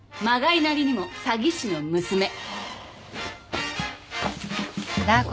まがいなりにも詐欺師の娘。